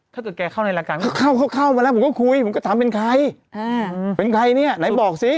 ถ้าแกเข้าในรายการพี่หนูทำไง